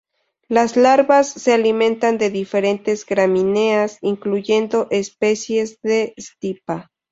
Las larvas se alimentan de diferentes gramíneas, incluyendo especies de "Stipa".